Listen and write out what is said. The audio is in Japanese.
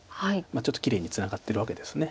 ちょっときれいにツナがってるわけです。